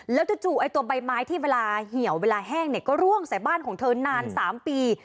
แล้วจู่ไอ้ตัวใบไม้ที่เวลาเหี่ยวเวลาแห้งเนี่ยก็ร่วงใส่บ้านของเธอนาน๓ปี